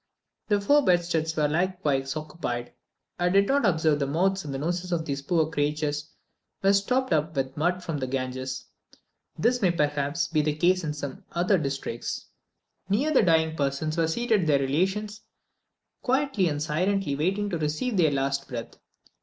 The four bedsteads were likewise occupied. I did not observe that the mouths and noses of these poor creatures were stopped up with mud from the Ganges: this may, perhaps, be the case in some other districts. Near the dying persons were seated their relations, quietly and silently waiting to receive their last breath.